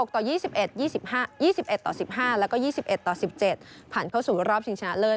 ต่อ๒๑๒๑ต่อ๑๕แล้วก็๒๑ต่อ๑๗ผ่านเข้าสู่รอบชิงชนะเลิศ